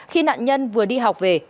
khi nạn nhân vừa đi học về